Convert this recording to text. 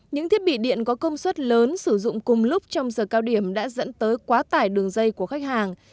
những thiết bị điện có công suất lớn sử dụng cùng lúc trong giờ cao điểm đã dẫn tới quá tải đường dây của khách hàng